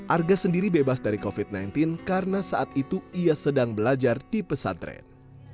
arga sendiri bebas dari covid sembilan belas karena saat itu ia sedang belajar di pesantren